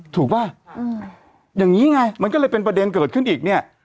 ถูกป่ะอย่างนี้ไงมันก็เลยเป็นประเด็นเกิดขึ้นอีกเนี่ย